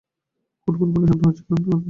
খুটখুট করে শব্দ হচ্ছে রান্না ঘরে।